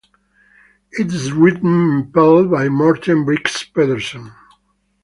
It is written in perl by Morten Brix Pedersen.